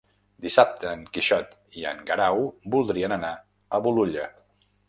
Dissabte en Quixot i en Guerau voldrien anar a Bolulla.